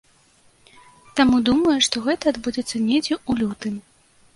Таму думаю, што гэта адбудзецца недзе ў лютым.